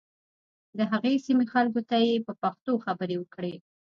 د هغې سیمې خلکو ته یې په پښتو خبرې وکړې.